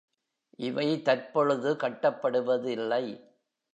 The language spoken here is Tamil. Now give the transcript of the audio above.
இவை தற்பொழுது கட்டப்படுவதில்லை.